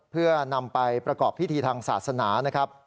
เพื่อนำไปประกอบพิธีทางศาสนานะครับ